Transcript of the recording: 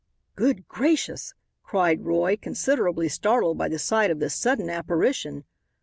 "Good gracious!" cried Roy, considerably startled by the sight of this sudden apparition.